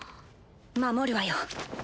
守るわよ